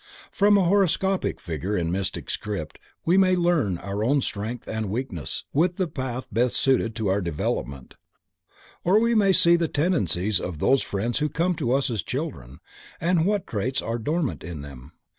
From a horoscopic figure in mystic script we may learn our own strength and weakness, with the path best suited to our development, or we may see the tendencies of those friends who come to us as children, and what traits are dormant in them.